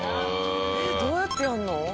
どうやってやるの？